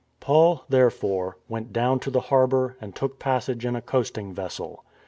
Paul, therefore, went down to the harbour and took passage in a coasting vessel.